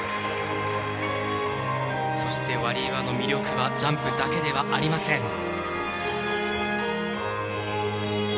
そして、ワリエワの魅力はジャンプだけではありません。